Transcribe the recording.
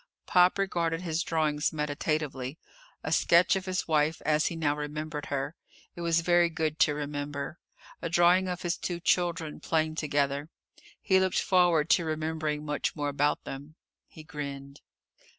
Pop regarded his drawings meditatively. A sketch of his wife as he now remembered her. It was very good to remember. A drawing of his two children, playing together. He looked forward to remembering much more about them. He grinned.